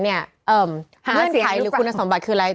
หาสิตที่หาใครหรือคุณสมบัติขึ้นไหน